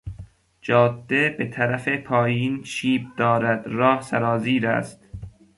جاده به طرف پایین شیب دارد، راه سرازیر است.